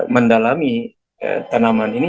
mendalami tanaman ini